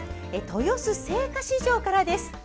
豊洲青果市場からです。